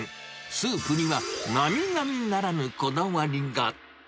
スープにはなみなみならぬこだわりが。